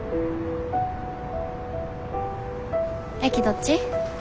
駅どっち？